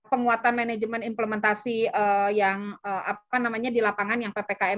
jadi penguatan manajemen implementasi yang di lapangan yang ppkm itu masih di mencegahan kemudian pembinaan penanganan dan penyelenggaraan